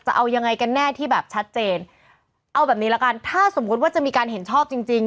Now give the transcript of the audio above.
จะเอายังไงกันแน่ที่แบบชัดเจนเอาแบบนี้ละกันถ้าสมมุติว่าจะมีการเห็นชอบจริงจริง